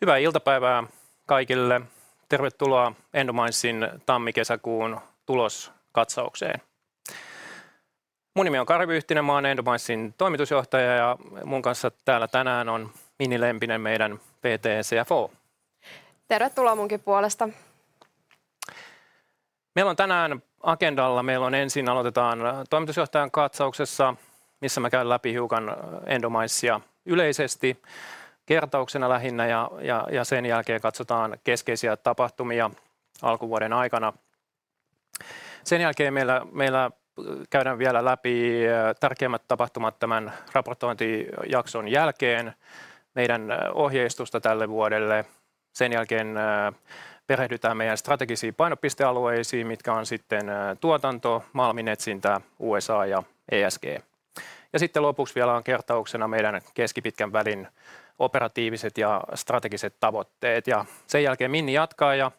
Hyvää iltapäivää kaikille! Tervetuloa Endominsin tammi-kesäkuun tuloskatsaukseen. Minun nimeni on Kari Pyyhtinen. Olen Endominsin toimitusjohtaja ja minun kanssani täällä tänään on Mini Lempinen, meidän PT CFO. Tervetuloa munkin puolesta! Meillä on tänään agendalla ensin toimitusjohtajan katsaus, missä käyn läpi hiukan Endominesin yleisesti kertauksena lähinnä, ja sen jälkeen katsotaan keskeisiä tapahtumia alkuvuoden aikana. Sen jälkeen käydään vielä läpi tärkeimmät tapahtumat tämän raportointijakson jälkeen ja meidän ohjeistusta tälle vuodelle. Sen jälkeen perehdytään meidän strategisiin painopistealueisiin, mitkä ovat tuotanto, malminetsintä, USA ja ESG. Sitten lopuksi on kertauksena meidän keskipitkän välin operatiiviset ja strategiset tavoitteet. Sen jälkeen Minni jatkaa ja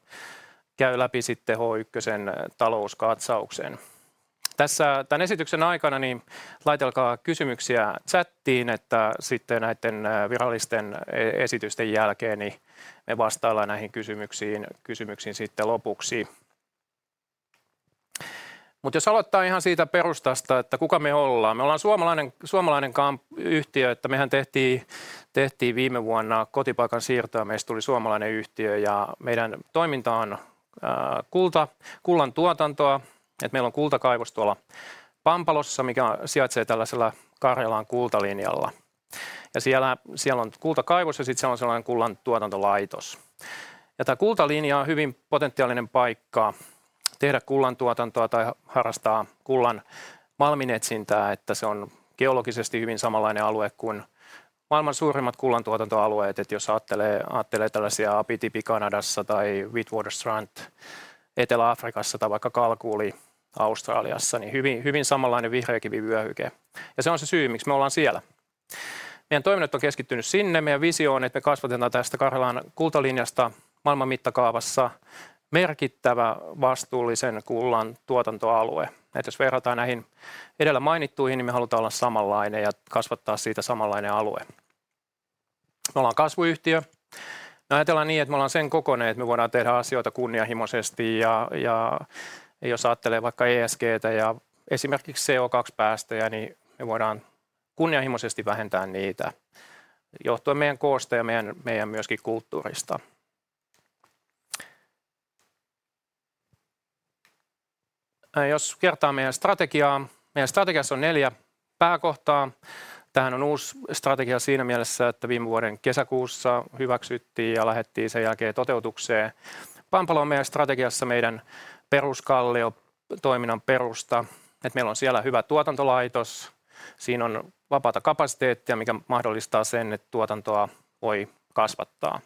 käy läpi H1:n talouskatsauksen. Tämän esityksen aikana laitelkaa kysymyksiä chattiin, että näitten virallisten esitysten jälkeen me vastaillaan näihin kysymyksiin sitten lopuksi. Mutta jos aloitetaan ihan siitä perustasta, että kuka me ollaan: me ollaan suomalainen yhtiö. Mehän tehtiin viime vuonna kotipaikan siirto ja meistä tuli suomalainen yhtiö, ja meidän toiminta on kullan tuotantoa. Meillä on kultakaivos tuolla Pampalossa, mikä sijaitsee tällaisella Karjalan kultalinjalla, ja siellä on kultakaivos ja sitten siellä on sellainen kullantuotantolaitos. Tää kultalinja on hyvin potentiaalinen paikka tehdä kullantuotantoa tai harrastaa kullan malminetsintää, että se on geologisesti hyvin samanlainen alue kuin maailman suurimmat kullantuotantoalueet. Jos ajattelee tällaisia Abitibi Kanadassa tai Witwatersrand Etelä-Afrikassa tai vaikka Kalgoorlie Australiassa, niin hyvin samanlainen vihreäkivivyöhyke. Se on se syy, miksi me ollaan siellä. Meidän toiminnat on keskittynyt sinne. Meidän visio on, että me kasvatetaan tästä Karjalan kultalinjasta maailman mittakaavassa merkittävä vastuullisen kullan tuotantoalue. Jos verrataan näihin edellä mainittuihin, niin me halutaan olla samanlainen ja kasvattaa siitä samanlainen alue. Me ollaan kasvuyhtiö. Me ajatellaan niin, että me ollaan sen kokoinen, että me voidaan tehdä asioita kunnianhimoisesti. Jos ajattelee vaikka ESG:tä ja esimerkiksi CO2-päästöjä, niin me voidaan kunnianhimoisesti vähentää niitä johtuen meidän koosta ja meidän myöskin kulttuurista. Jos kertaan meidän strategiaa. Meidän strategiassa on neljä pääkohtaa. Tämä on uusi strategia siinä mielessä, että viime vuoden kesäkuussa hyväksyttiin ja lähdettiin sen jälkeen toteutukseen. Pampalo on meidän strategiassa meidän peruskallio, toiminnan perusta, että meillä on siellä hyvä tuotantolaitos. Siinä on vapaata kapasiteettia, mikä mahdollistaa sen, että tuotantoa voi kasvattaa.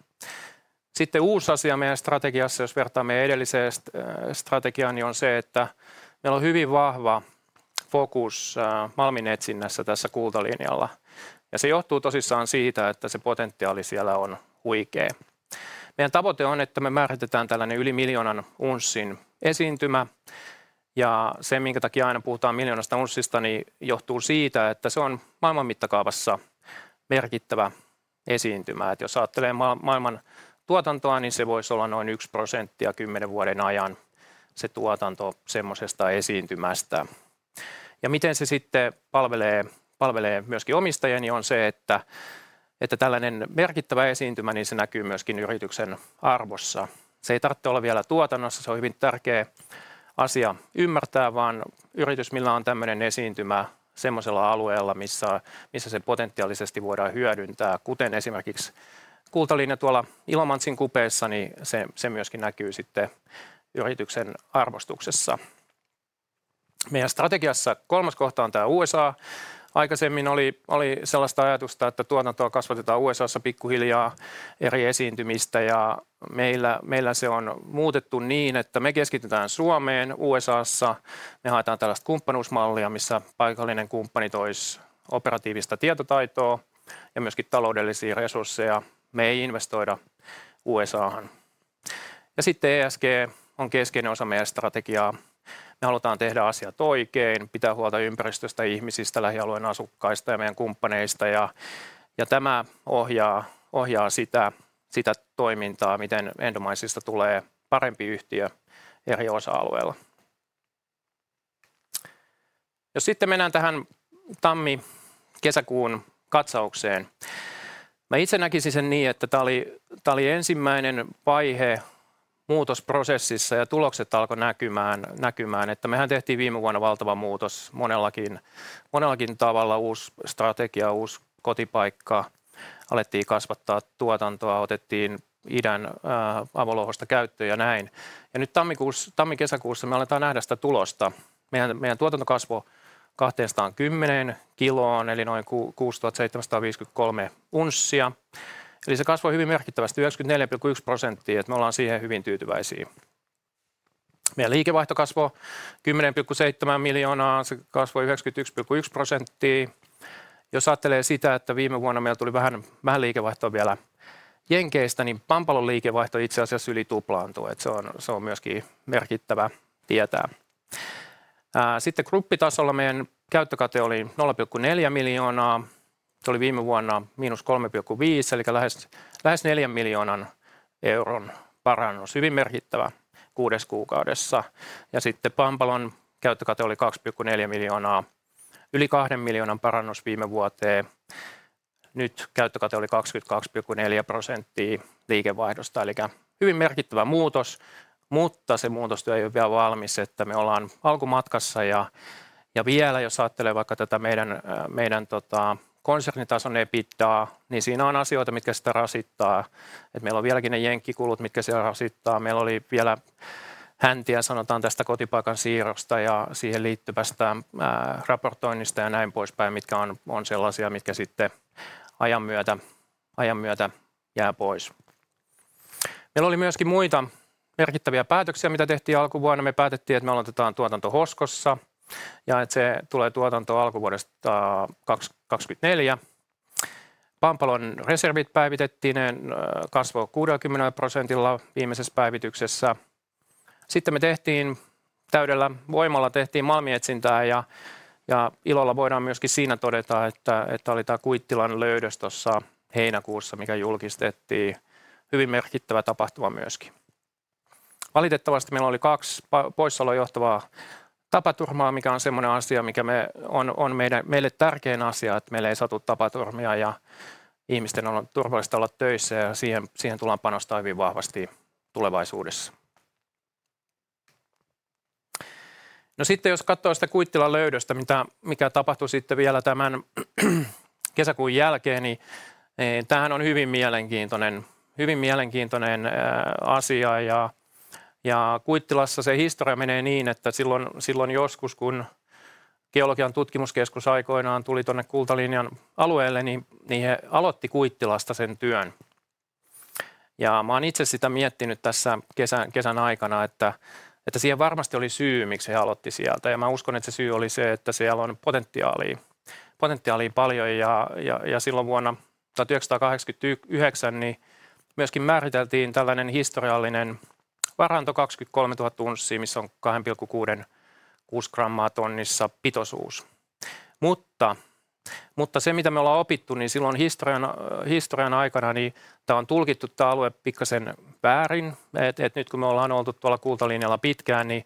Sitten uusi asia meidän strategiassa, jos vertaa meidän edelliseen strategiaan, on se, että meillä on hyvin vahva fokus malminetsinnässä tässä kultalinjalla, ja se johtuu tosissaan siitä, että se potentiaali siellä on huikea. Meidän tavoite on, että me määritetään tällainen yli miljoonan unssin esiintymä, ja se, minkä takia aina puhutaan miljoonasta unssista, niin johtuu siitä, että se on maailman mittakaavassa merkittävä esiintymä. Jos ajattelee maailman tuotantoa, niin se voisi olla noin 1% kymmenen vuoden ajan. Se tuotanto semmoisesta esiintymästä. Miten se sitten palvelee myöskin omistajia, on se, että tällainen merkittävä esiintymä näkyy myöskin yrityksen arvossa. Se ei tartte olla vielä tuotannossa – se on hyvin tärkeä asia ymmärtää – vaan yritys, millä on tämmöinen esiintymä semmoisella alueella, missä se potentiaalisesti voidaan hyödyntää, kuten esimerkiksi kultalinja tuolla Ilomantsin kupeessa, näkyy myöskin sitten yrityksen arvostuksessa. Meidän strategiassa kolmas kohta on tää USA. Aikaisemmin oli sellaista ajatusta, että tuotantoa kasvatetaan USAssa pikkuhiljaa eri esiintymistä, ja meillä se on muutettu niin, että me keskitytään Suomeen. USAssa me haetaan tällaista kumppanuusmallia, missä paikallinen kumppani toisi operatiivista tietotaitoa ja myöskin taloudellisia resursseja. Me ei investoida USAan. Sitten ESG on keskeinen osa meidän strategiaa. Me halutaan tehdä asiat oikein, pitää huolta ympäristöstä ja ihmisistä, lähialueen asukkaista ja meidän kumppaneista, ja tämä ohjaa sitä toimintaa, miten Endominesista tulee parempi yhtiö eri osa-alueilla. Jos sitten mennään tähän tammi-kesäkuun katsaukseen. Mä itse näkisin sen niin, että tää oli ensimmäinen vaihe muutosprosessissa ja tulokset alko näkymään, että mehän tehtiin viime vuonna valtava muutos monellakin tavalla. Uusi strategia, uusi kotipaikka. Alettiin kasvattaa tuotantoa, otettiin idän avolouhosta käyttöön ja näin. Nyt tammi-kesäkuussa me aletaan nähdä sitä tulosta. Meidän tuotanto kasvo 220 kiloon eli noin 6 753 unssia. Se kasvoi hyvin merkittävästi, 94,1%, että me ollaan siihen hyvin tyytyväisiä. Meidän liikevaihto kasvo €10,7 miljoonaa. Se kasvoi 91,1%. Jos aattelee sitä, että viime vuonna meillä tuli vähän liikevaihtoa vielä Jenkeistä, niin Pampalon liikevaihto itse asiassa yli tuplaantui. Se on myöskin merkittävä tietää. Sitten gruppitasolla meidän käyttökate oli €0,4 miljoonaa. Se oli viime vuonna -€3,5 miljoonaa, eli lähes neljän miljoonan euron parannus. Hyvin merkittävä kuudessa kuukaudessa. Pampalon käyttökate oli €2,4 miljoonaa, yli €2 miljoonan parannus viime vuoteen. Käyttökate oli 22,4% liikevaihdosta, eli hyvin merkittävä muutos, mutta muutostyö ei ole vielä valmis, että me ollaan alkumatkassa. Jos ajattelee tätä meidän konsernitason EBITDAa, niin siinä on asioita, mitkä sitä rasittaa. Meillä on vieläkin ne jenkkikulut, mitkä siellä rasittaa. Meillä oli vielä häntiä tästä kotipaikan siirrosta ja siihen liittyvästä raportoinnista ja näin poispäin, mitkä ovat sellaisia, mitkä sitten ajan myötä jää pois. Meillä oli myöskin muita merkittäviä päätöksiä, mitä tehtiin alkuvuonna. Me päätettiin, että me aloitetaan tuotanto Hoskossa ja että se tulee tuotantoon alkuvuodesta 2024. Pampalon reservit päivitettiin. Ne kasvoi 60%:lla viimeisessä päivityksessä. Me tehtiin täydellä voimalla malminetsintää ja ilolla voidaan myöskin todeta, että oli tämä Kuittilan löydös tuossa heinäkuussa, mikä julkistettiin. Hyvin merkittävä tapahtuma myöskin. Valitettavasti meillä oli kaksi poissaoloon johtavaa tapaturmaa, mikä on sellainen asia, mikä on meille tärkein asia, että meille ei satu tapaturmia ja ihmisten on turvallista olla töissä, ja siihen tullaan panostamaan hyvin vahvasti tulevaisuudessa. Jos katsoo sitä Kuittilan löydöstä, mitä tapahtui sitten vielä tämän kesäkuun jälkeen, niin tämähän on hyvin mielenkiintoinen asia, ja Kuittilassa se historia menee niin, että silloin joskus, kun Geologian tutkimuskeskus aikoinaan tuli tuonne Kultalinjan alueelle, niin he aloittivat Kuittilasta sen työn. Mä olen itse sitä miettinyt tässä kesän aikana, että siihen varmasti oli syy, miksi he aloittivat sieltä. Mä uskon, että se syy oli se, että siellä on potentiaalia paljon. Silloin vuonna 1989 myöskin määriteltiin tällainen historiallinen varanto 23 000 unssia, missä on 2,6 grammaa tonnissa pitoisuus. Se, mitä me ollaan opittu historian aikana, niin tämä alue on tulkittu pikkaisen väärin. Nyt kun me ollaan oltu tuolla Kultalinjalla pitkään, niin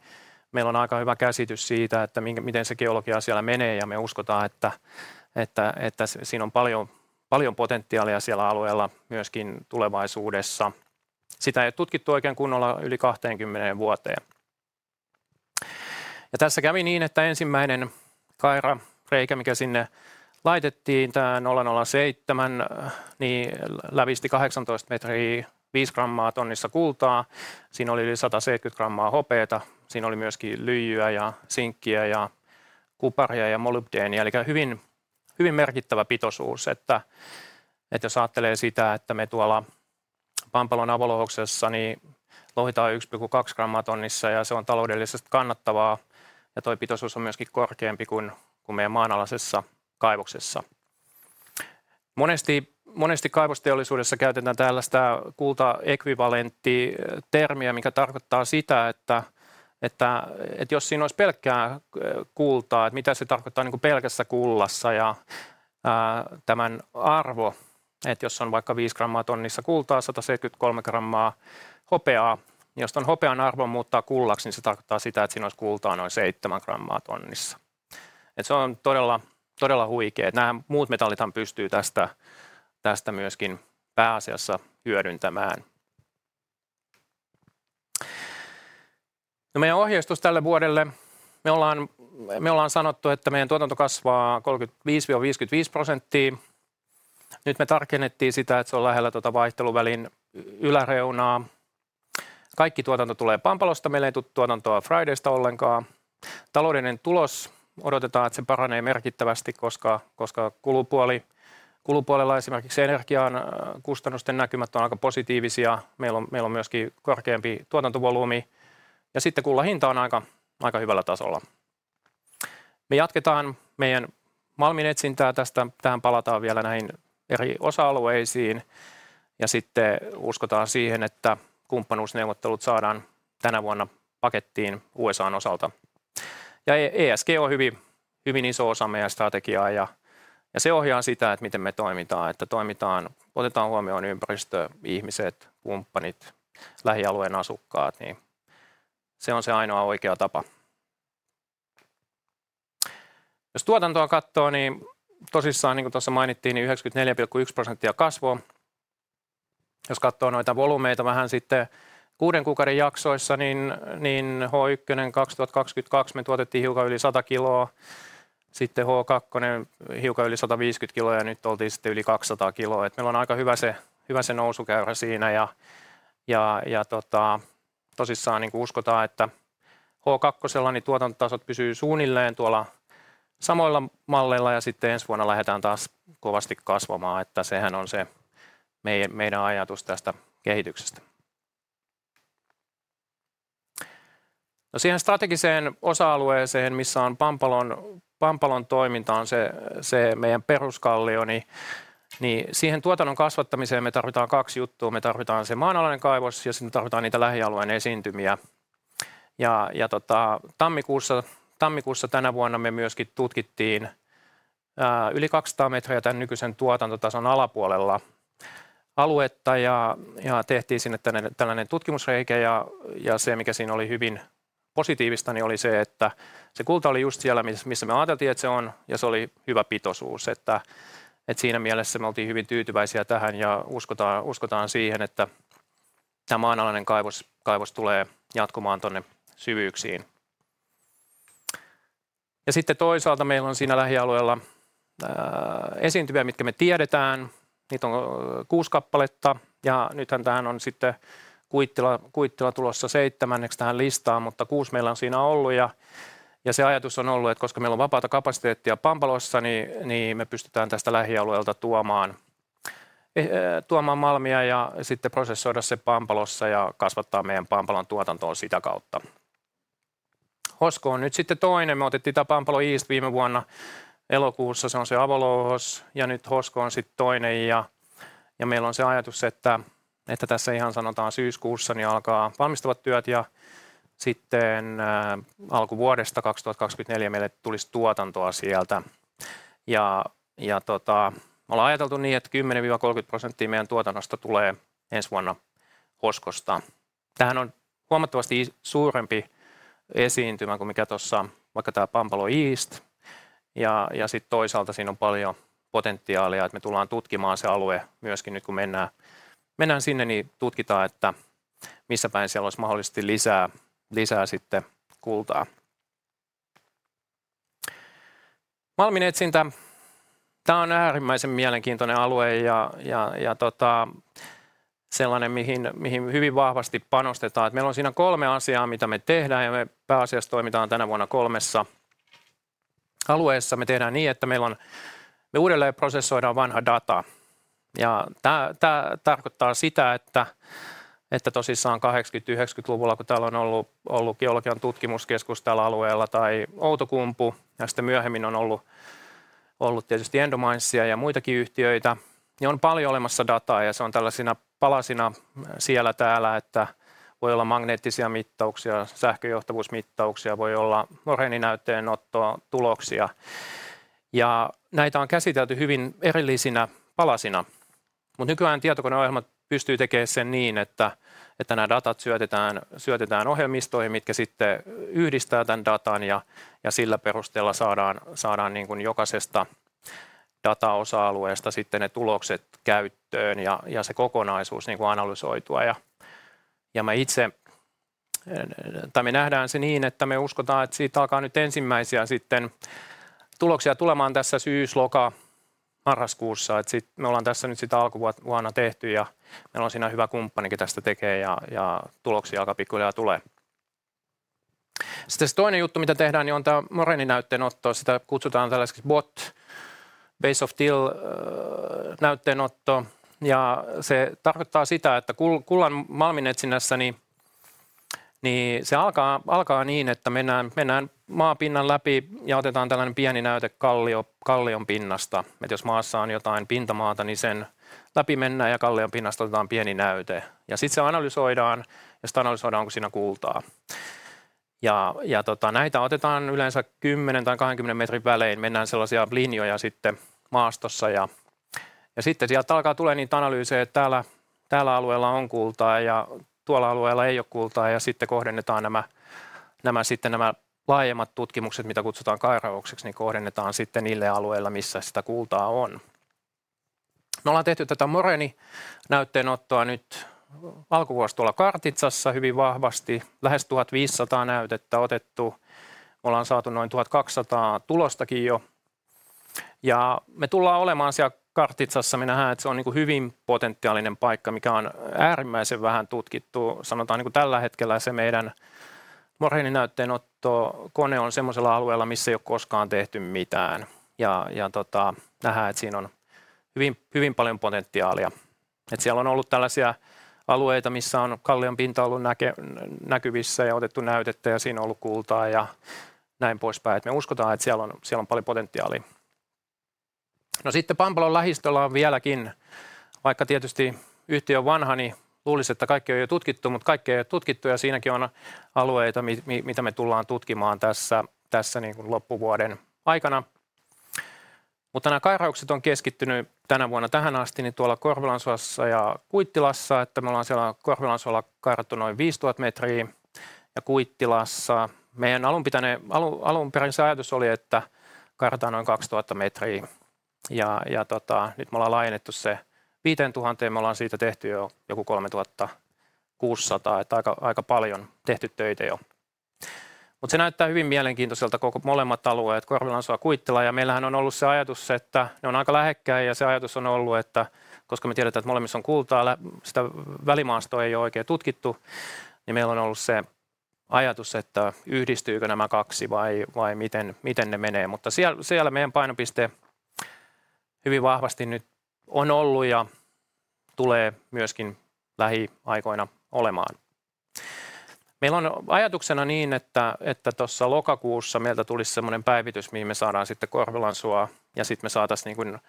meillä on aika hyvä käsitys siitä, miten se geologia siellä menee, ja me uskotaan, että siinä on paljon potentiaalia siellä alueella myöskin tulevaisuudessa. Sitä ei ole tutkittu oikein kunnolla yli kahteenkymmeneen vuoteen. Tässä kävi niin, että ensimmäinen kairareikä, mikä sinne laitettiin, tämä 007, niin lävisti 18 metriä 5 grammaa tonnissa kultaa. Siinä oli yli 170 grammaa hopeata. Siinä oli myöskin lyijyä ja sinkkiä ja kuparia ja molybdeenia. Eli hyvin merkittävä pitoisuus, että jos ajattelee sitä, että me tuolla Pampalon avolouhoksessa niin louhitaan 1,2 grammaa tonnissa ja se on taloudellisesti kannattavaa. Tuo pitoisuus on myöskin korkeampi kuin meidän maanalaisessa kaivoksessa. Monesti kaivosteollisuudessa käytetään tällaista kultaekvivalentti-termiä, mikä tarkoittaa sitä, että jos siinä olisi pelkkää kultaa, että mitä se tarkoittaa pelkässä kullassa ja tämän arvo, että jos on vaikka viisi grammaa tonnissa kultaa, 173 grammaa hopeaa, niin jos tuon hopean arvon muuttaa kullaksi, niin se tarkoittaa sitä, että siinä olisi kultaa noin seitsemän grammaa tonnissa. Se on todella huikea, että nämä muut metallithan pystyy tästä myöskin pääasiassa hyödyntämään. Meidän ohjeistus tälle vuodelle: me ollaan sanottu, että meidän tuotanto kasvaa 35–55%. Nyt me tarkennettiin sitä, että se on lähellä tuota vaihteluvälin yläreunaa. Kaikki tuotanto tulee Pampalosta. Meille ei tule tuotantoa Fridasta ollenkaan. Taloudellinen tulos odotetaan paranevan merkittävästi, koska kulupuolella esimerkiksi energian kustannusten näkymät on aika positiivisia. Meillä on myöskin korkeampi tuotantovolyymi ja sitten kullan hinta on aika hyvällä tasolla. Me jatketaan meidän malminetsintää. Tähän palataan vielä näihin eri osa-alueisiin ja sitten uskotaan siihen, että kumppanuusneuvottelut saadaan tänä vuonna pakettiin USA:n osalta. ESG on hyvin iso osa meidän strategiaa, ja se ohjaa sitä, että miten me toimitaan, otetaan huomioon ympäristö, ihmiset, kumppanit, lähialueen asukkaat, niin se on se ainoa oikea tapa. Jos tuotantoa katsoo, niin kuin tuossa mainittiin, niin 94,1% kasvua. Jos katsoo noita volyymeita vähän sitten kuuden kuukauden jaksoissa, niin H1 2022 me tuotettiin hiukan yli 100 kiloa, sitten H2 hiukan yli 150 kiloa ja nyt oltiin sitten yli 200 kiloa. Meillä on aika hyvä nousukäyrä siinä. Uskotaan, että H2:lla niin tuotantotasot pysyy suunnilleen tuolla samoilla malleilla ja sitten ensi vuonna lähdetään taas kovasti kasvamaan. Sehän on se meidän ajatus tästä kehityksestä. Siihen strategiseen osa-alueeseen, missä on Pampalon toiminta, on se meidän peruskallio. Siihen tuotannon kasvattamiseen me tarvitaan kaksi juttua: me tarvitaan se maanalainen kaivos ja sitten me tarvitaan niitä lähialueen esiintymiä. Tammikuussa tänä vuonna me myöskin tutkittiin yli 200 metriä tän nykyisen tuotantotason alapuolella aluetta ja tehtiin sinne tällainen tutkimusreikä. Se, mikä siinä oli hyvin positiivista, oli se, että se kulta oli just siellä, missä me ajateltiin, että se on, ja se oli hyvä pitoisuus. Siinä mielessä me oltiin hyvin tyytyväisiä tähän ja uskotaan siihen, että tämä maanalainen kaivos tulee jatkumaan tuonne syvyyksiin. Sitten toisaalta meillä on siinä lähialueella esiintymiä, mitkä me tiedetään. Niitä on kuusi kappaletta, ja tähän on sitten Kuittila tulossa seitsemänneksi tähän listaan, mutta kuusi meillä on siinä ollut. Se ajatus on ollut, että koska meillä on vapaata kapasiteettia Pampalossa, niin me pystytään tästä lähialueelta tuomaan malmia ja sitten prosessoida se Pampalossa ja kasvattaa meidän Pampalan tuotantoa sitä kautta. Hosko on nyt sitten toinen. Me otettiin tämä Pampalo East viime vuonna elokuussa. Se on se Avoloos, ja nyt Hosko on sitten toinen. Meillä on se ajatus, että tässä ihan sanotaan syyskuussa niin alkaa valmistavat työt ja sitten alkuvuodesta 2024 meille tulisi tuotantoa sieltä. Me ollaan ajateltu niin, että 10–30% meidän tuotannosta tulee ensi vuonna Hoskosta. Tämähän on huomattavasti suurempi esiintymä kuin mikä tuossa, vaikka tämä Pampalo East. Siinä on paljon potentiaalia, että me tullaan tutkimaan se alue myöskin. Nyt kun mennään sinne, tutkitaan, että missä päin siellä olisi mahdollisesti lisää kultaa. Malminetsintä. Tämä on äärimmäisen mielenkiintoinen alue ja sellainen, mihin hyvin vahvasti panostetaan. Meillä on siinä kolme asiaa, mitä me tehdään, ja me pääasiassa toimitaan tänä vuonna kolmessa alueessa. Me tehdään niin, että meillä on... Me uudelleenprosessoidaan vanha data, ja tää tarkoittaa sitä, että tosissaan 1980- ja 1990-luvulla, kun täällä on ollut Geologian tutkimuskeskus tällä alueella tai Outokumpu ja sitten myöhemmin on ollut tietysti Endominsia ja muitakin yhtiöitä, niin on paljon olemassa dataa ja se on tällaisina palasina siellä täällä, että voi olla magneettisia mittauksia, sähkönjohtavuusmittauksia, voi olla moreeninäytteenottoa, tuloksia, ja näitä on käsitelty hyvin erillisinä palasina. Nykyajan tietokoneohjelmat pystyvät tekemään sen niin, että nää datat syötetään ohjelmistoihin, mitkä sitten yhdistää tän datan, ja sillä perusteella saadaan jokaisesta dataosa-alueesta ne tulokset käyttöön ja se kokonaisuus niinku analysoitua. Me nähdään se niin, että me uskotaan, että siitä alkaa nyt ensimmäisiä tuloksia tulemaan tässä syys-, loka-, marraskuussa. Me ollaan tässä nyt sitä alkuvuonna tehty ja meillä on siinä hyvä kumppanikin. Tästä tekee ja tuloksia alkaa pikkuhiljaa tulee. Sitten se toinen juttu, mitä tehdään, on tämä moreeninäytteenotto. Sitä kutsutaan tällaiseksi BOT Base of Till -näytteenotto, ja se tarkoittaa sitä, että kullan malminetsinnässä se alkaa niin, että mennään maapinnan läpi ja otetaan tällainen pieni näyte kallionpinnasta. Jos maassa on jotain pintamaata, niin sen läpi mennään ja kallion pinnasta otetaan pieni näyte, joka sitten analysoidaan, onko siinä kultaa. Näitä otetaan yleensä kymmenen tai kahdenkymmenen metrin välein. Mennään sellaisia linjoja maastossa, ja sitten sieltä alkaa tulemaan niitä analyyseja, että tällä alueella on kultaa ja tuolla alueella ei ole kultaa. Sitten kohdennetaan nämä laajemmat tutkimukset, mitä kutsutaan kairaukseksi, niille alueille, missä sitä kultaa on. Me ollaan tehty tätä moreeninäytteenottoa nyt alkuvuosi tuolla Kartitsassa hyvin vahvasti. Lähes 1 500 näytettä otettu. Me ollaan saatu noin 1 200 tulostakin jo, ja me tullaan olemaan siellä Kartitsassa. Me nähdään, että se on niinku hyvin potentiaalinen paikka, mikä on äärimmäisen vähän tutkittu. Sanotaan, että tällä hetkellä meidän moreeninäytteenottokone on sellaisella alueella, missä ei ole koskaan tehty mitään, ja nähdään, että siinä on hyvin, hyvin paljon potentiaalia. Siellä on ollut tällaisia alueita, missä on kallion pinta ollut näkyvissä ja otettu näytettä ja siinä on ollut kultaa ja näin poispäin. Me uskotaan, että siellä on paljon potentiaalia. Sitten Pampalon lähistöllä on vieläkin, vaikka tietysti yhtiö on vanha, niin luulisi, että kaikki on jo tutkittu, mutta kaikkea ei ole tutkittu ja siinäkin on alueita, mitä me tullaan tutkimaan tässä loppuvuoden aikana. Nämä kairaukset on keskittynyt tänä vuonna tähän asti tuolla Korvilansuossa ja Kuittilassa, että me ollaan siellä Korvilansuolla kairattu noin 5 000 metriä ja Kuittilassa meidän alunperäinen ajatus oli, että kairataan noin 2 000 metriä, ja nyt me ollaan laajennettu se 5 000 metriin. Me ollaan siitä tehty jo joku 3 600, että aika paljon tehty töitä jo, mutta se näyttää hyvin mielenkiintoiselta. Koko molemmat alueet, Korvilansuo, Kuittila, ja meillähän on ollut se ajatus, että ne on aika lähekkäin. Ja se ajatus on ollut, että koska me tiedetään, että molemmissa on kultaa, sitä välimaastoa ei oo oikein tutkittu, niin meillä on ollut se ajatus, että yhdistyykö nämä kaksi vai miten ne menee. Mutta siellä meidän painopiste hyvin vahvasti nyt on ollut ja tulee myöskin lähiaikoina olemaan. Meillä on ajatuksena, että tuossa lokakuussa meiltä tulisi semmoinen päivitys, mihin me saadaan sitten Korvelansuo ja sitten me saataisiin, niin kuin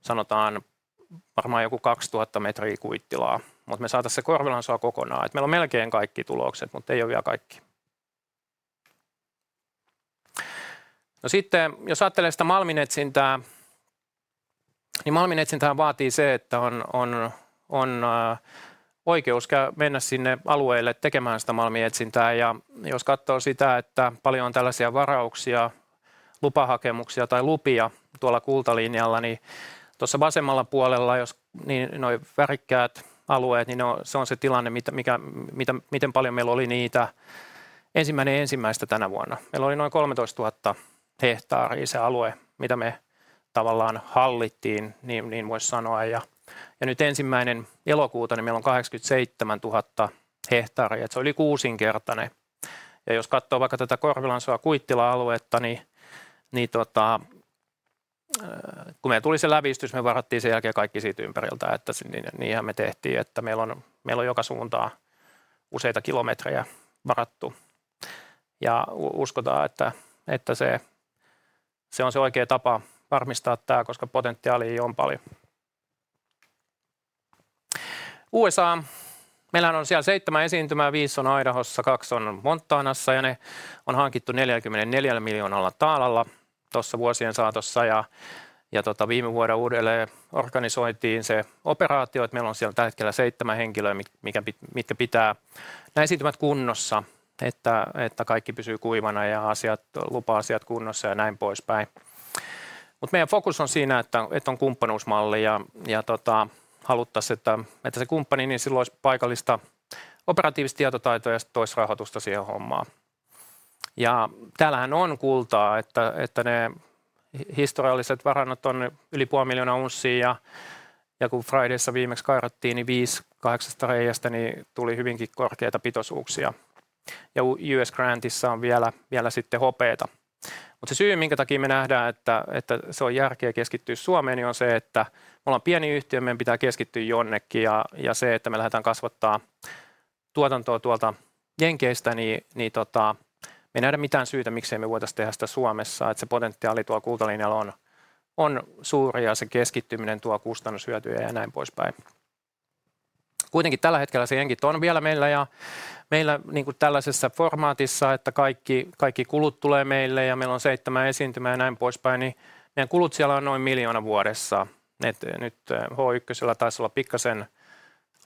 sanotaan, varmaan joku 2 000 metriä Kuittilaa, mutta me saataisiin se Korvelansuo kokonaan. Meillä on melkein kaikki tulokset, mutta ei ole vielä kaikki. Jos ajattelee sitä malminetsintää, niin malminetsintähän vaatii sen, että on oikeus mennä sinne alueelle tekemään sitä malminetsintää. Jos katsoo sitä, paljon on tällaisia varauksia, lupahakemuksia tai lupia tuolla Kultalinjalla, niin tuossa vasemmalla puolella, jos nuo värikkäät alueet, niin se on se tilanne, miten paljon meillä oli niitä. 1.1. tänä vuonna meillä oli noin 13 000 hehtaaria se alue, mitä me tavallaan hallittiin, niin voisi sanoa. Nyt ensimmäinen elokuuta meillä on 87 000 hehtaaria. Se on yli kuusinkertainen. Jos katsoo vaikka tätä Korvelansuo-Kuittila-aluetta, niin tota, kun meillä tuli se lävistys, me varattiin sen jälkeen kaikki siitä ympäriltä, että niinhän me tehtiin, että meillä on joka suuntaan useita kilometrejä varattu ja uskotaan, että se on se oikea tapa varmistaa tää, koska potentiaalia on paljon. Meillähän on siellä seitsemän esiintymää. Viisi on Idahossa, kaksi on Montanassa ja ne on hankittu $44 miljoonalla tuossa vuosien saatossa. Viime vuonna uudelleenorganisoitiin se operaatio, että meillä on siellä tällä hetkellä seitsemän henkilöä, mitkä pitää nämä esiintymät kunnossa, että kaikki pysyy kuivana ja asiat, lupa-asiat kunnossa ja näin poispäin. Meidän fokus on siinä, että on kumppanuusmalli ja haluttaisiin, että se kumppani, niin sillä olisi paikallista operatiivista tietotaitoa ja sitten toisi rahoitusta siihen hommaan. Täällähän on kultaa, että ne historialliset varannot on yli 500 000 unssia. Kun Fridayssa viimeksi kairattiin, niin viisi kahdeksasta reiästä, niin tuli hyvinkin korkeita pitoisuuksia. US Grantissa on vielä sitten hopeata. Se syy, minkä takia me nähdään, että se on järkeä keskittyä Suomeen, niin on se, että me ollaan pieni yhtiö. Meidän pitää keskittyä jonnekin ja se, että me lähdetään kasvattamaan tuotantoa tuolta Jenkeistä, niin me ei nähdä mitään syytä, miksi me ei voitaisi tehdä sitä Suomessa. Että se potentiaali tuolla Kultalinjalla on suuri ja se keskittyminen tuo kustannushyötyjä ja näin poispäin. Kuitenkin tällä hetkellä se Jenkit on vielä meillä tällaisessa formaatissa, että kaikki kulut tulee meille ja meillä on seitsemän esiintymää ja näin poispäin, niin meidän kulut siellä on noin €1 miljoona vuodessa. Nyt H1:llä taisi olla pikkaisen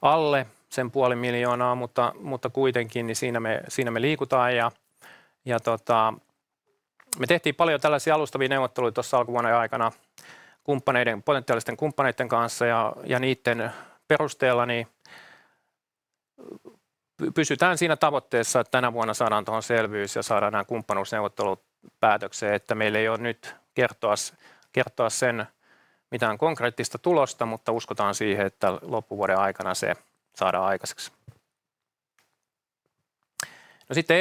alle sen €500 000, mutta kuitenkin, niin siinä me liikutaan. Me tehtiin paljon tällaisia alustavia neuvotteluja tuossa alkuvuoden aikana kumppaneiden, potentiaalisten kumppaneiden kanssa ja niitten perusteella pysytään siinä tavoitteessa, että tänä vuonna saadaan tuohon selvyys ja saadaan nämä kumppanuusneuvottelut päätökseen. Meillä ei ole nyt kertoa mitään konkreettista tulosta, mutta uskotaan siihen, että loppuvuoden aikana se saadaan aikaiseksi. Sitten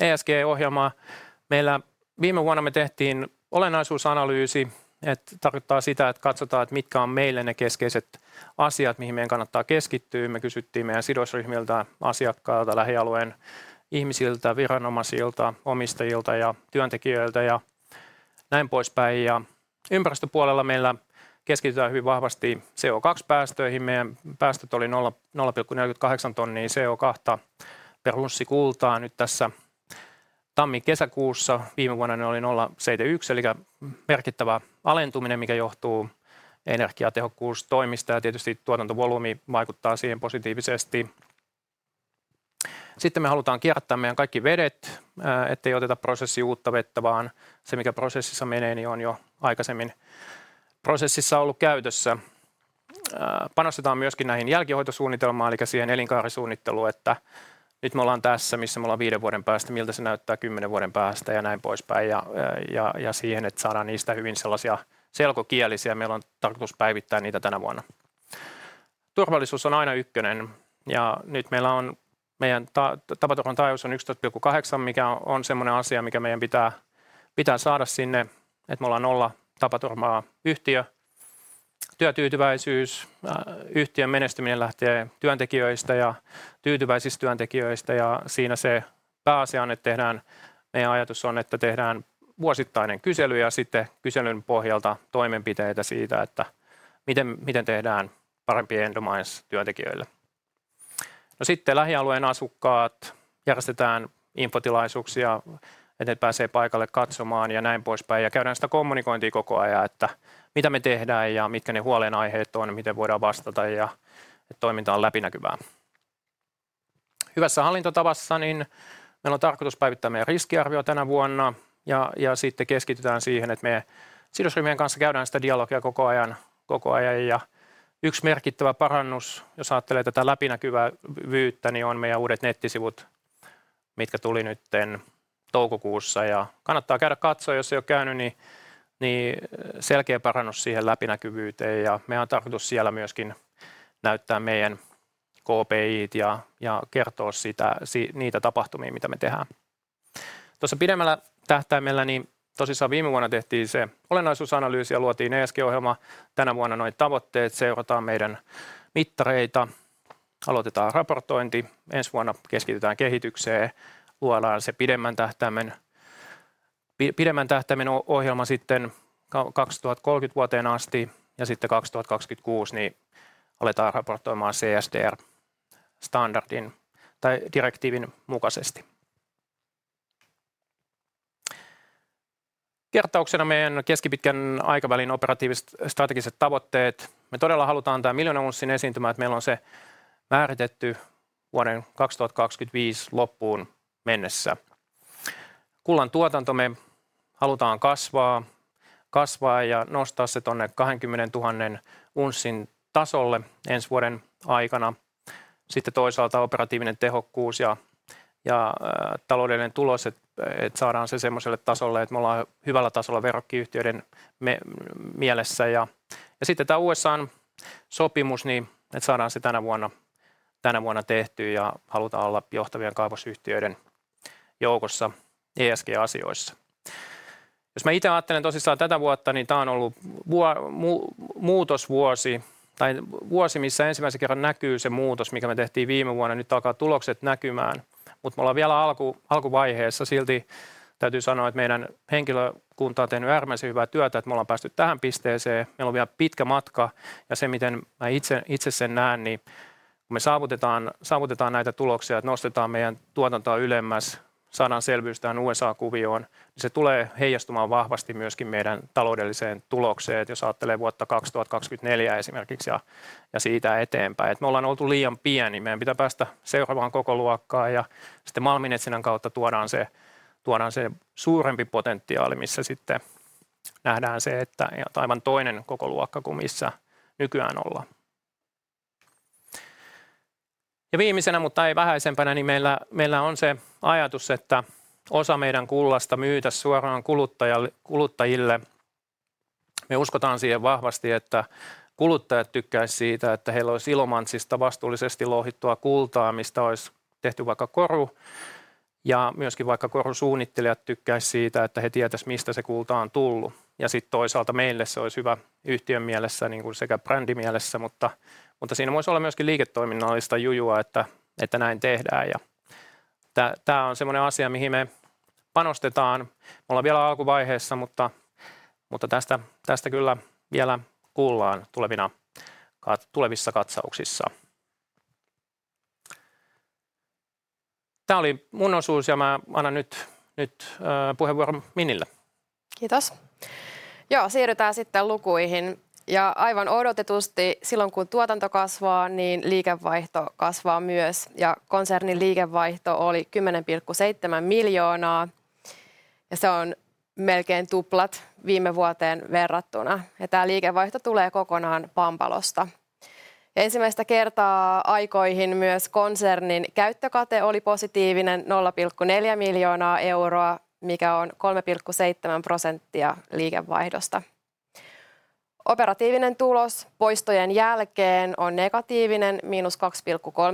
ESG-ohjelma. Viime vuonna me tehtiin olennaisuusanalyysi, mikä tarkoittaa sitä, että katsotaan, mitkä on meille ne keskeiset asiat, mihin meidän kannattaa keskittyä. Me kysyttiin meidän sidosryhmiltä, asiakkailta, lähialueen ihmisiltä, viranomaisilta, omistajilta ja työntekijöiltä ja näin poispäin. Ympäristöpuolella meillä keskitytään hyvin vahvasti CO2-päästöihin. Meidän päästöt oli 0,48 tonnia CO2 per unssi kultaa nyt tässä tammi-kesäkuussa. Viime vuonna ne oli 0,71 eli merkittävä alentuminen, mikä johtuu energiatehokkuustoimista. Tietysti tuotantovolyymi vaikuttaa siihen positiivisesti. Me halutaan kierrättää meidän kaikki vedet, ettei oteta prosessiin uutta vettä, vaan se, mikä prosessissa menee, on jo aikaisemmin prosessissa ollut käytössä. Panostetaan myöskin näihin jälkihoitosuunnitelmaan eli siihen elinkaarisuunnitteluun, että nyt me ollaan tässä, missä me ollaan viiden vuoden päästä, miltä se näyttää kymmenen vuoden päästä ja näin poispäin. Saadaan niistä hyvin sellaisia selkokielisiä. Meillä on tarkoitus päivittää niitä tänä vuonna. Turvallisuus on aina ykkönen, ja nyt meillä on meidän tapaturmataajuus on 1,8, mikä on sellainen asia, mikä meidän pitää saada sinne, että me ollaan nollatapaturma-yhtiö. Työtyytyväisyys. Yhtiön menestyminen lähtee työntekijöistä ja tyytyväisistä työntekijöistä, ja siinä se pääasia on, että tehdään... meidän ajatus on, että tehdään vuosittainen kysely ja sitten kyselyn pohjalta toimenpiteitä siitä, että miten tehdään parempi Endomines työntekijöille. Sitten lähialueen asukkaat. Järjestetään infotilaisuuksia, että he pääsevät paikalle katsomaan ja näin poispäin, ja käydään sitä kommunikointia koko ajan, että mitä me tehdään ja mitkä ne huolenaiheet on, miten voidaan vastata ja että toiminta on läpinäkyvää. Hyvässä hallintotavassa meillä on tarkoitus päivittää meidän riskiarviota tänä vuonna, ja sitten keskitytään siihen, että me sidosryhmien kanssa käydään sitä dialogia koko ajan. Yksi merkittävä parannus, jos ajattelee tätä läpinäkyvyyttä, on meidän uudet nettisivut, mitkä tuli nyt toukokuussa, ja kannattaa käydä katsomassa, jos ei ole käynyt, niin selkeä parannus siihen läpinäkyvyyteen. Meidän on tarkoitus siellä myöskin näyttää meidän KPI:t ja kertoa niitä tapahtumia, mitä me tehdään. Tuossa pidemmällä tähtäimellä, niin tosissaan viime vuonna tehtiin se olennaisuusanalyysi ja luotiin ESG-ohjelma. Tänä vuonna seurataan meidän mittareita, aloitetaan raportointi. Ensi vuonna keskitytään kehitykseen, luodaan se pidemmän tähtäimen ohjelma sitten vuoteen 2030 asti, ja sitten 2026 aletaan raportoimaan CSRD-standardin tai direktiivin mukaisesti. Kertauksena meidän keskipitkän aikavälin operatiiviset strategiset tavoitteet: me todella halutaan tää miljoonan unssin esiintymä, että meillä on se määritetty vuoden 2025 loppuun mennessä. Kullan tuotantomme halutaan kasvaa ja nostaa se tuonne 20 000 unssin tasolle ensi vuoden aikana. Toisaalta operatiivinen tehokkuus ja taloudellinen tulos, että saadaan se sellaiselle tasolle, että me ollaan hyvällä tasolla verrokkiyhtiöiden mielessä. Tää USA:n sopimus, niin että saadaan se tänä vuonna tehtyä, ja halutaan olla johtavien kaivosyhtiöiden joukossa ESG-asioissa. Jos mä itse ajattelen tosissaan tätä vuotta, niin tää on ollut muutosvuosi, tai vuosi, missä ensimmäisen kerran näkyy se muutos, mikä me tehtiin viime vuonna. Nyt alkaa tulokset näkymään, mutta me ollaan vielä alkuvaiheessa. Silti täytyy sanoa, että meidän henkilökunta on tehnyt äärimmäisen hyvää työtä, että me ollaan päästy tähän pisteeseen. Meillä on vielä pitkä matka, ja se, miten mä itse sen näen, niin kun me saavutetaan näitä tuloksia, että nostetaan meidän tuotantoa ylemmäs, saadaan selvyys tähän USA-kuvioon, niin se tulee heijastumaan vahvasti myöskin meidän taloudelliseen tulokseen. Jos ajattelee vuotta 2024 esimerkiksi ja siitä eteenpäin, että me ollaan oltu liian pieni. Meidän pitää päästä seuraavaan kokoluokkaan ja sitten malminetsinnän kautta tuodaan se suurempi potentiaali, missä sitten nähdään se, että aivan toinen kokoluokka kuin missä nykyään ollaan. Viimeisenä, mutta ei vähäisempänä, meillä on se ajatus, että osa meidän kullasta myytäis suoraan kuluttajille. Me uskotaan siihen vahvasti, että kuluttajat tykkäisivät siitä, että heillä olisi Ilomantsista vastuullisesti louhittua kultaa, mistä olisi tehty vaikka koru, ja myöskin vaikka korunsuunnittelijat tykkäisivät siitä, että he tietäisivät, mistä se kulta on tullut. Sitten toisaalta meille se olisi hyvä yhtiön mielessä, sekä brändimielessä, mutta siinä voisi olla myöskin liiketoiminnallista jujua, että näin tehdään. Tää on semmoinen asia, mihin me panostetaan. Me ollaan vielä alkuvaiheessa, mutta tästä kyllä vielä kuullaan tulevissa katsauksissa. Tää oli mun osuus ja mä annan nyt puheenvuoron Minnille. Kiitos! Siirrytään sitten lukuihin. Aivan odotetusti, silloin kun tuotanto kasvaa, liikevaihto kasvaa myös, ja konsernin liikevaihto oli €10,7 miljoonaa, ja se on melkein tuplat viime vuoteen verrattuna. Tämä liikevaihto tulee kokonaan Pampalosta. Ensimmäistä kertaa aikoihin myös konsernin käyttökate oli positiivinen, €0,4 miljoonaa euroa, mikä on 3,7% liikevaihdosta. Operatiivinen tulos poistojen jälkeen on negatiivinen,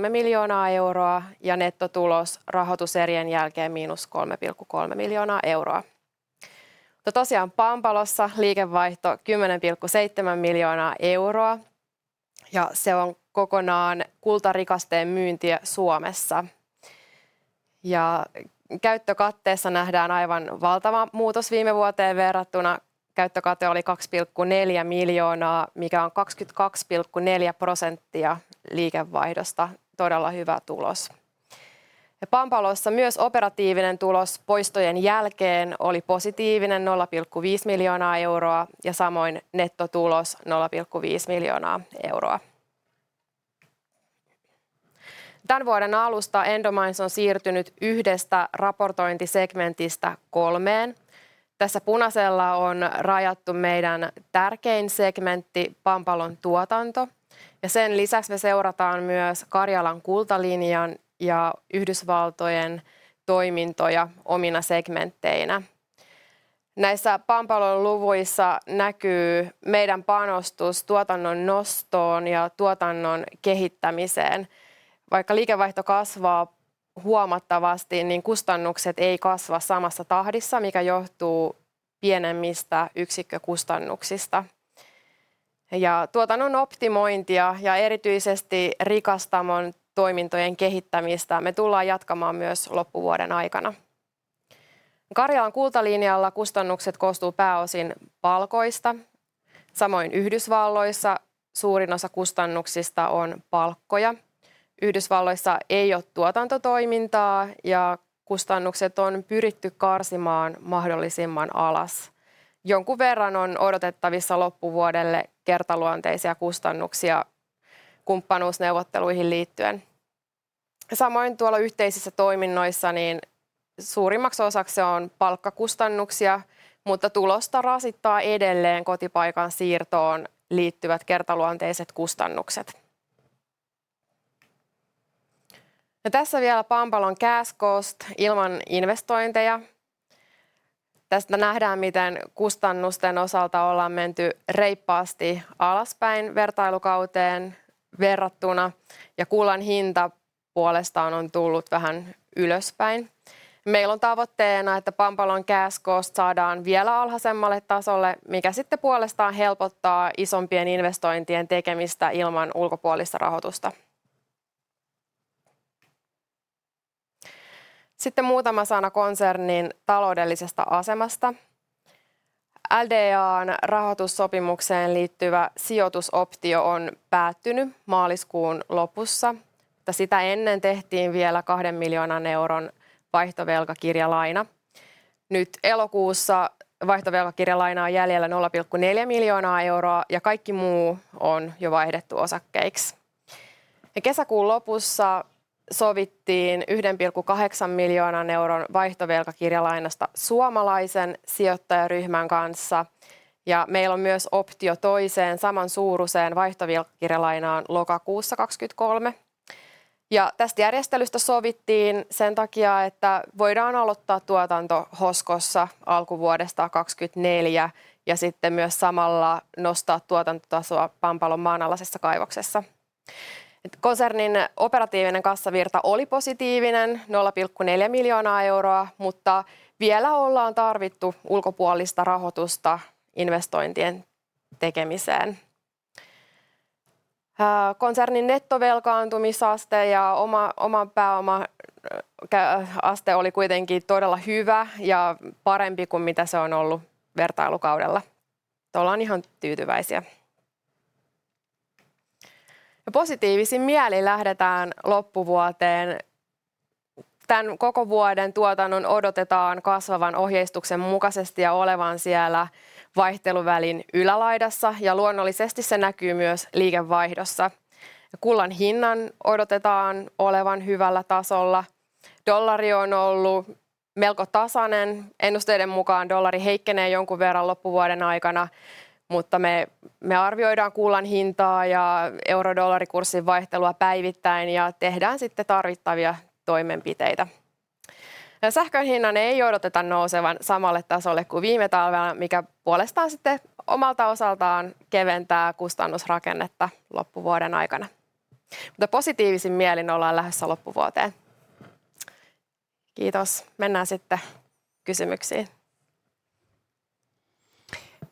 -€2,3 miljoonaa euroa, ja nettotulos rahoituserien jälkeen -€3,3 miljoonaa euroa. Pampalossa liikevaihto €10,7 miljoonaa euroa, ja se on kokonaan kultarikasteen myyntiä Suomessa. Käyttökatteessa nähdään aivan valtava muutos viime vuoteen verrattuna. Käyttökate oli €2,4 miljoonaa, mikä on 22,4% liikevaihdosta. Todella hyvä tulos! Pampalossa myös operatiivinen tulos poistojen jälkeen oli positiivinen, €0,5 miljoonaa euroa, ja samoin nettotulos €0,5 miljoonaa euroa. Tän vuoden alusta Endomines on siirtynyt yhdestä raportointisegmentistä kolmeen. Tässä punaisella on rajattu meidän tärkein segmentti, Pampalon tuotanto, ja sen lisäksi me seurataan myös Karjalan Kultalinjan ja Yhdysvaltojen toimintoja omina segmentteinä. Näissä Pampalon luvuissa näkyy meidän panostus tuotannon nostoon ja tuotannon kehittämiseen. Vaikka liikevaihto kasvaa huomattavasti, niin kustannukset ei kasva samassa tahdissa, mikä johtuu pienemmistä yksikkökustannuksista. Tuotannon optimointia ja erityisesti rikastamon toimintojen kehittämistä me tullaan jatkamaan myös loppuvuoden aikana. Karjalan Kultalinjalla kustannukset koostuu pääosin palkoista. Samoin Yhdysvalloissa suurin osa kustannuksista on palkkoja. Yhdysvalloissa ei ole tuotantotoimintaa, ja kustannukset on pyretty karsimaan mahdollisimman alas. Jonkun verran on odotettavissa loppuvuodelle kertaluonteisia kustannuksia kumppanuusneuvotteluihin liittyen. Samoin tuolla yhteisissä toiminnoissa, niin suurimmaksi osaksi se on palkkakustannuksia, mutta tulosta rasittaa edelleen kotipaikan siirtoon liittyvät kertaluonteiset kustannukset. Tässä vielä Pampalon cash cost ilman investointeja. Tästä nähdään, miten kustannusten osalta ollaan menty reippaasti alaspäin vertailukauteen verrattuna, ja kullan hinta puolestaan on tullut vähän ylöspäin. Meillä on tavoitteena, että Pampalon cash cost saadaan vielä alhaisemmalle tasolle, mikä sitten puolestaan helpottaa isompien investointien tekemistä ilman ulkopuolista rahoitusta. Sitten muutama sana konsernin taloudellisesta asemasta. LDA:n rahoitussopimukseen liittyvä sijoitusoptio on päättynyt maaliskuun lopussa, mutta sitä ennen tehtiin vielä €2,0 miljoonan vaihtovelkakirjalaina. Nyt elokuussa vaihtovelkakirjalainaa on jäljellä €0,4 miljoonaa, ja kaikki muu on jo vaihdettu osakkeiksi. Kesäkuun lopussa sovittiin €1,8 miljoonan vaihtovelkakirjalainasta suomalaisen sijoittajaryhmän kanssa, ja meillä on myös optio toiseen saman suuruiseen vaihtovelkakirjalainaan lokakuussa 2023. Tästä järjestelystä sovittiin sen takia, että voidaan aloittaa tuotanto Hoskossa alkuvuodesta 2024 ja sitten myös samalla nostaa tuotantotasoa Pampalon maanalaisessa kaivoksessa. Konsernin operatiivinen kassavirta oli positiivinen €0,4 miljoonaa, mutta vielä ollaan tarvittu ulkopuolista rahoitusta investointien tekemiseen. Konsernin nettovelkaantumisaste ja oman pääoman aste oli kuitenkin todella hyvä ja parempi kuin mitä se on ollut vertailukaudella. Ollaan ihan tyytyväisiä. Positiivisin mielin lähdetään loppuvuoteen. Tän koko vuoden tuotannon odotetaan kasvavan ohjeistuksen mukaisesti ja olevan siellä vaihteluvälin ylälaidassa, ja luonnollisesti se näkyy myös liikevaihdossa. Kullan hinnan odotetaan olevan hyvällä tasolla. Dollari on ollut melko tasainen. Ennusteiden mukaan dollari heikkenee jonkun verran loppuvuoden aikana, mutta me arvioidaan kullan hintaa ja eurodollarikurssin vaihtelua päivittäin ja tehdään sitten tarvittavia toimenpiteitä. Sähkön hinnan ei odoteta nousevan samalle tasolle kuin viime talvena, mikä puolestaan sitten omalta osaltaan keventää kustannusrakennetta loppuvuoden aikana. Positiivisin mielin ollaan lähdössä loppuvuoteen. Kiitos! Mennään sitten kysymyksiin.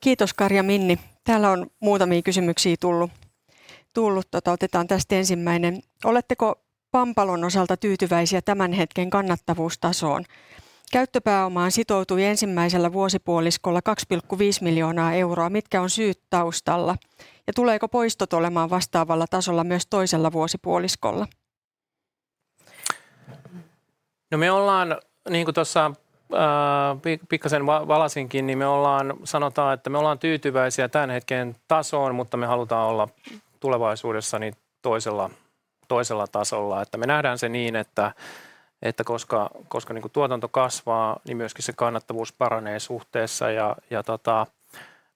Kiitos, Karja Minni. Täällä on muutamia kysymyksiä tullut. Otetaan tästä ensimmäinen. Oletteko Pampalon osalta tyytyväisiä tämän hetken kannattavuustasoon? Käyttöpääomaan sitoutui ensimmäisellä vuosipuoliskolla €2,5 miljoonaa. Mitkä ovat syyt taustalla, ja tuleeko poistot olemaan vastaavalla tasolla myös toisella vuosipuoliskolla? Me ollaan, kuten tuossa pikkaisen valaistiin, tyytyväisiä tämän hetken tasoon, mutta me halutaan olla tulevaisuudessa toisella tasolla. Me nähdään se niin, että koska tuotanto kasvaa, niin myöskin kannattavuus paranee suhteessa.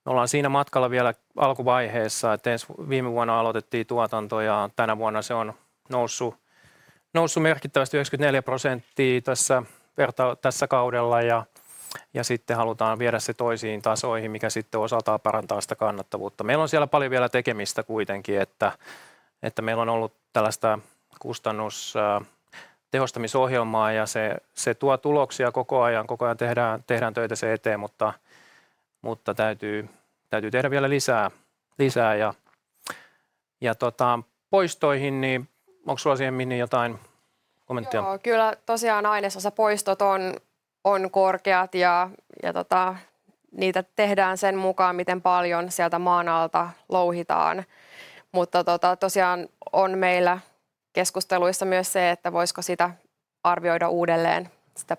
Me ollaan siinä matkalla vielä alkuvaiheessa, että viime vuonna aloitettiin tuotanto, ja tänä vuonna se on noussut merkittävästi, 94% tässä vertailukaudella. Sitten halutaan viedä se toisiin tasoihin, mikä osaltaan parantaa sitä kannattavuutta. Meillä on siellä paljon vielä tekemistä, että meillä on ollut tällaista kustannustehostamisohjelmaa, ja se tuo tuloksia koko ajan. Koko ajan tehdään töitä sen eteen, mutta täytyy tehdä vielä lisää. Poistoihin, niin onko sulla siihen, Minni, jotain kommenttia? Ainesosapoistot ovat korkeat, ja niitä tehdään sen mukaan, miten paljon sieltä maan alta louhitaan. Meillä on keskusteluissa myös se, että voisiko sitä arvioida uudelleen, sitä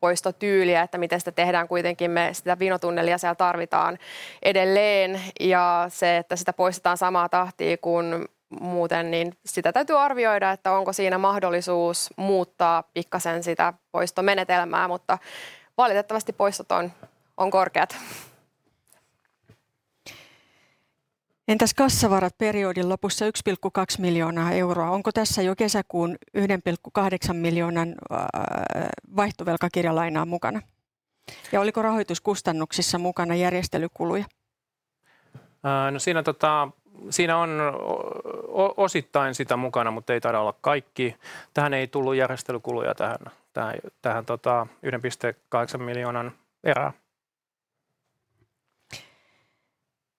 poistotyyliä, että miten sitä tehdään. Kuitenkin me sitä vinotunnelia siellä tarvitaan edelleen, ja se, että sitä poistetaan samaa tahtia kuin muuten, niin sitä täytyy arvioida, että onko siinä mahdollisuus muuttaa pikkaisen sitä poistomenetelmää, mutta valitettavasti poistot ovat korkeat. Entäs kassavarat periodin lopussa €1,2 miljoonaa euroa. Onko tässä jo kesäkuun €1,8 miljoonan vaihtovelkakirjalainaa mukana? Ja oliko rahoituskustannuksissa mukana järjestelykuluja? Siinä on osittain sitä mukana, mutta ei taida olla kaikki. Tähän ei tullut järjestelykuluja tähän 1,8 miljoonan erään.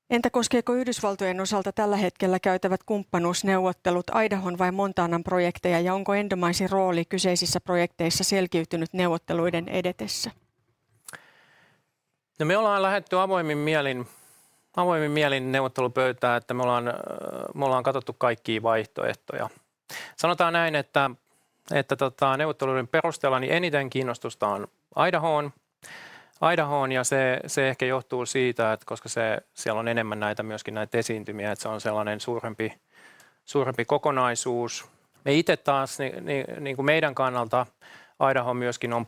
Entä koskeeko Yhdysvaltojen osalta tällä hetkellä käytävät kumppanuusneuvottelut Idahon vai Montanan projekteja? Ja onko Endomaisen rooli kyseisissä projekteissa selkiytynyt neuvotteluiden edetessä? Me ollaan lähdetty avoimin mielin neuvottelupöytään, ja me ollaan katsottu kaikkia vaihtoehtoja. Sanotaan näin, että neuvotteluiden perusteella eniten kiinnostusta on Idahoon, ja se ehkä johtuu siitä, että siellä on enemmän näitä esiintymiä, että se on sellainen suurempi kokonaisuus. Meidän kannalta Idaho myöskin on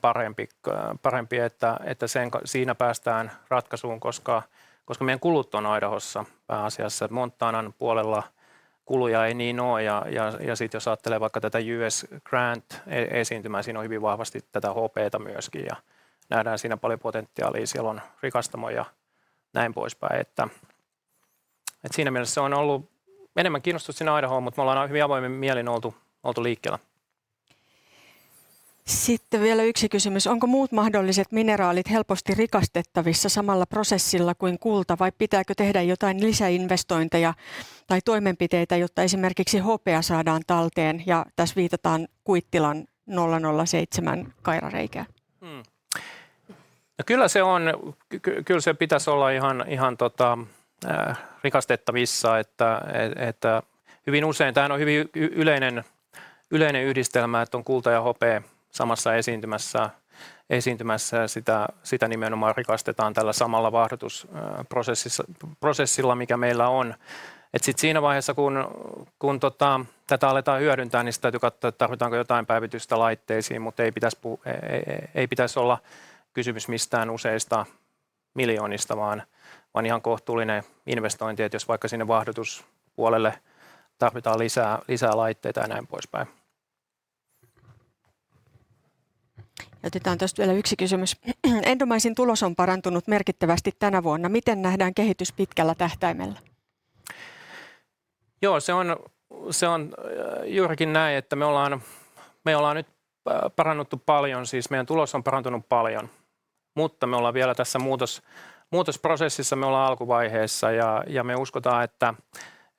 parempi, että siinäkin päästään ratkaisuun, koska meidän kulut on Idahossa pääasiassa. Montanan puolella kuluja ei niin ole. Jos ajattelee vaikka tätä US Grant -esiintymää, siinä on hyvin vahvasti tätä HP:ta myöskin, ja nähdään siinä paljon potentiaalia. Siellä on rikastamo ja näin poispäin. Siinä mielessä kiinnostus on ollut enemmän sinne Idahoon, mutta me ollaan hyvin avoimin mielin oltu liikkeellä. Sitten vielä yksi kysymys: Onko muut mahdolliset mineraalit helposti rikastettavissa samalla prosessilla kuin kulta, vai pitääkö tehdä jotain lisäinvestointeja tai toimenpiteitä, jotta esimerkiksi hopea saadaan talteen? Tässä viitataan Kuittilan nolla nolla seitsemän kairareikään. Kyllä se pitäisi olla ihan rikastettavissa, että hyvin usein tämähän on hyvin yleinen yhdistelmä, että on kulta ja hopea samassa esiintymässä, ja sitä nimenomaan rikastetaan tällä samalla vaahdotusprosessilla, mikä meillä on. Sitten siinä vaiheessa, kun tätä aletaan hyödyntää, niin se täytyy katsoa, että tarvitaanko jotain päivitystä laitteisiin. Mutta ei pitäisi olla kysymys mistään useista miljoonista, vaan ihan kohtuullinen investointi, että jos vaikka sinne vaahdotuspuolelle tarvitaan lisää laitteita ja näin poispäin. Otetaan tuosta vielä yksi kysymys. Endomaisen tulos on parantunut merkittävästi tänä vuonna. Miten nähdään kehitys pitkällä tähtäimellä? Joo, se on juurikin näin, että me ollaan nyt parannuttu paljon, siis meidän tulos on parantunut paljon, mutta me ollaan vielä tässä muutosprosessissa. Me ollaan alkuvaiheessa ja me uskotaan,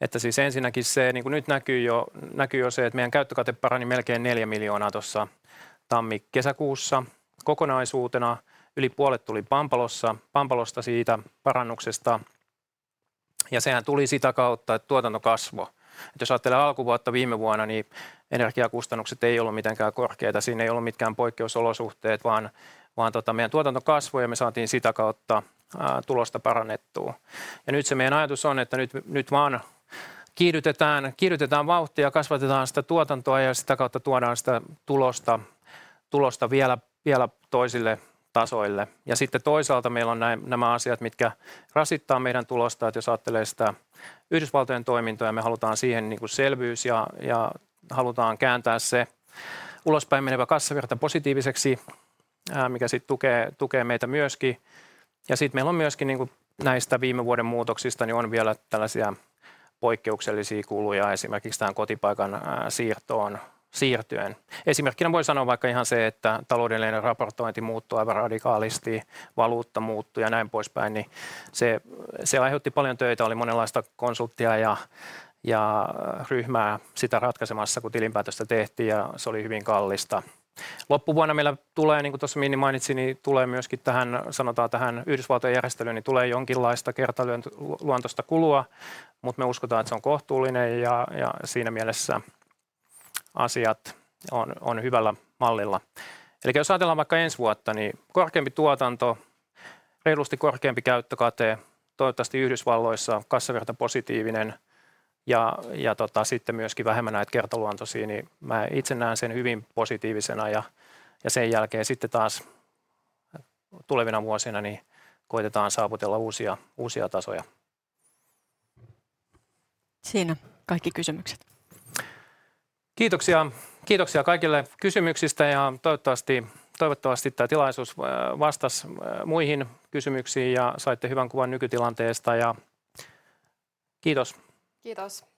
että siis ensinnäkin se, niin kuin nyt näkyy jo, näkyy jo se, että meidän käyttökate parani melkein €4 miljoonaa tuossa tammi-kesäkuussa. Kokonaisuutena yli puolet tuli Pampalosta, siitä parannuksesta, ja sehän tuli sitä kautta, että tuotanto kasvoi. Jos ajattelee alkuvuotta viime vuonna, niin energiakustannukset ei ollut mitenkään korkeita. Siinä ei ollut mitkään poikkeusolosuhteet, vaan meidän tuotanto kasvoi ja me saatiin sitä kautta tulosta parannettua. Nyt meidän ajatus on, että nyt vaan kiihdytetään vauhtia ja kasvatetaan sitä tuotantoa ja sitä kautta tuodaan sitä tulosta vielä toisille tasoille. Sitten toisaalta meillä on nämä asiat, mitkä rasittaa meidän tulosta. Jos ajattelee sitä Yhdysvaltojen toimintoja, me halutaan siihen selvyys ja halutaan kääntää se ulospäin menevä kassavirta positiiviseksi, mikä sitten tukee meitä myöskin. Meillä on myöskin näistä viime vuoden muutoksista vielä tällaisia poikkeuksellisia kuluja, esimerkiksi tähän kotipaikan siirtoon liittyen. Esimerkkinä voi sanoa vaikka ihan se, että taloudellinen raportointi muuttui aivan radikaalisti, valuutta muuttui ja näin poispäin, niin se aiheutti paljon töitä. Oli monenlaista konsulttia ja ryhmää sitä ratkaisemassa, kun tilinpäätöstä tehtiin, ja se oli hyvin kallista. Loppuvuonna meillä tulee, niin kuin tuossa Minni mainitsi, myöskin tähän Yhdysvaltojen järjestelyyn jonkinlaista kertaluontoista kulua, mutta me uskotaan, että se on kohtuullinen ja siinä mielessä asiat on hyvällä mallilla. Jos ajatellaan vaikka ensi vuotta, niin korkeampi tuotanto, reilusti korkeampi käyttökate. Toivottavasti Yhdysvalloissa kassavirta positiivinen, ja sitten myöskin vähemmän näitä kertaluontoisia, niin mä itse näen sen hyvin positiivisena, ja sen jälkeen sitten taas tulevina vuosina koitetaan saavutella uusia tasoja. Siinä kaikki kysymykset. Kiitoksia, kiitoksia kaikille kysymyksistä ja toivottavasti tää tilaisuus vastasi muihin kysymyksiin ja saitte hyvän kuvan nykytilanteesta. Ja kiitos! Kiitos.